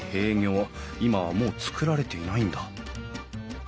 今はもう造られていないんだ